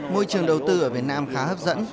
môi trường đầu tư ở việt nam khá hấp dẫn